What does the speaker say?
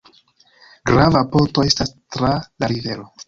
Grava ponto estas tra la rivero.